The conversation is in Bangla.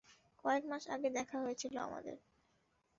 কয়েক মাস আগে দেখা হয়েছিল আমাদের।